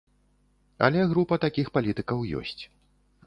Але група такіх палітыкаў ёсць.